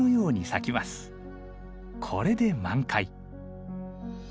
これで満開。